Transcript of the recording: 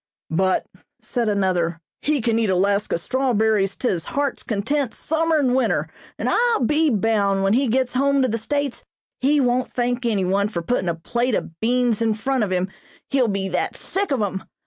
"But," said another, "he can eat 'Alaska strawberries' to his heart's content, summer and winter, and I'll be bound when he gets home to the States he won't thank anyone for puttin' a plate of beans in front of him, he'll be that sick of 'em!